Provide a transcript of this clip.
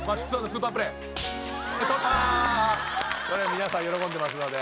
皆さん喜んでますので。